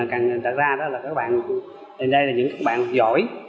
càng đặt ra đó là các bạn đến đây là những các bạn giỏi